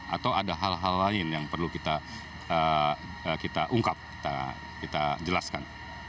atau ada hal hal lain yang perlu kita ungkap kita jelaskan